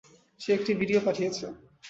সে একটি ভিডিও পাঠিয়েছে।